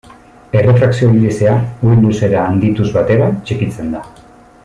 Errefrakzio-indizea uhin-luzera handituz batera txikitzen da.